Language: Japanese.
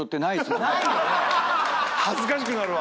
恥ずかしくなるわ！